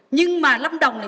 nhưng mà lâm đồng này